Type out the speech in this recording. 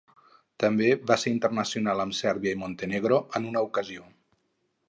També va ser internacional amb Sèrbia i Montenegro en una ocasió.